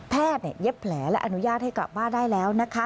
เย็บแผลและอนุญาตให้กลับบ้านได้แล้วนะคะ